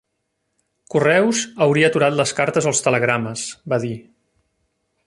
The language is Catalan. "Correus hauria aturat les cartes o els telegrames", va dir.